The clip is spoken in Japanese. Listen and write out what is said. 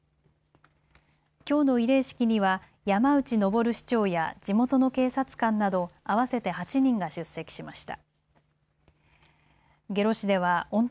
きょうの慰霊式には山内登市長や地元の警察官など合わせて８人が出席しました。